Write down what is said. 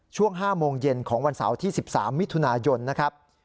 ช่วง๕โมงเย็นของวันเสาร์ที่๑๓มิถุนายนนะครับ